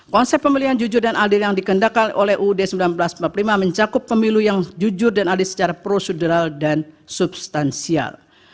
konsep pemilihan jujur dan adil yang dikendakkan oleh uud seribu sembilan ratus empat puluh lima mencakup pemilu yang jujur dan adil secara prosedural dan substansial